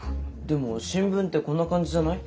でも新聞ってこんな感じじゃない？